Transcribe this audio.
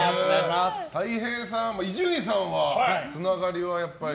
たい平さん、伊集院さんはつながりはやっぱり。